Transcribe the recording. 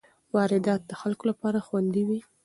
واردات د خلکو لپاره خوندي وي.